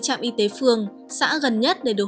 trạm y tế phường xã gần nhất để được